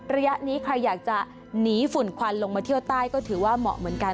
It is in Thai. ระยะนี้ใครอยากจะหนีฝุ่นควันลงมาเที่ยวใต้ก็ถือว่าเหมาะเหมือนกัน